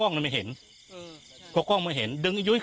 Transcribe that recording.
หญิงบอกว่าจะเป็นพี่ปวกหญิงบอกว่าจะเป็นพี่ปวก